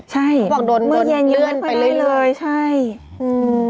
ใช่เขาบอกโดนโดนมือเย็นยังไม่ค่อยได้เลยใช่อืม